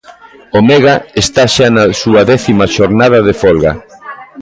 Omega está xa na súa décima xornada de folga.